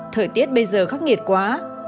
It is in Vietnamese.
thời tiết bây giờ khắc nghiệt quá